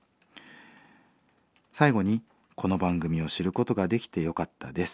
最後にこの番組を知ることができてよかったです。